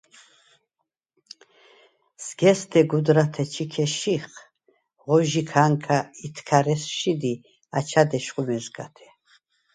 სგ’ე̄სდე გუდრათე ჩიქე შიხ, ღო ჟიქა̄ნქა ითქა̈რ ესშიდ ი აჩა̈დ ეშხუ მეზგათე.